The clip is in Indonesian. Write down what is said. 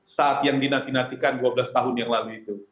saat yang dinantikan dua belas tahun yang lalu itu